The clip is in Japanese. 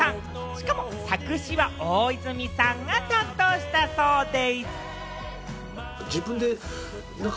しかも作詞は大泉さんが担当したそうで。